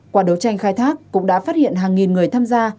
qua đấu tranh khai thác cũng đã phát hiện hàng nghìn người tham gia